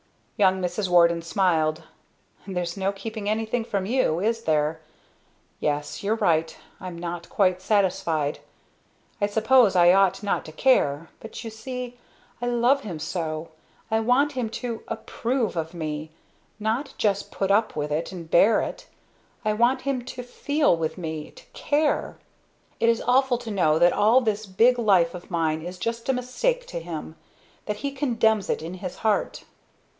Young Mrs. Warden smiled. "There's no keeping anything from you, is there? Yes you're right. I'm not quite satisfied. I suppose I ought not to care but you see, I love him so! I want him to approve of me! not just put up with it, and bear it! I want him to feel with me to care. It is awful to know that all this big life of mine is just a mistake to him that he condemns it in his heart."